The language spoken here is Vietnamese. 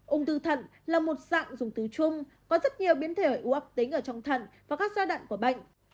ung thư thận là một dạng dùng thứ chung có rất nhiều biến thể ở u ác tính ở trong thận và các giai đoạn của bệnh